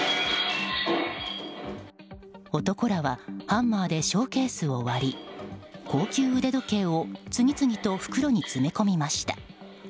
男らはハンマーでショーケースを割り高級腕時計を次々と袋に詰め込みました。